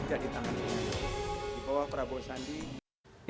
di bawah prabowo sandi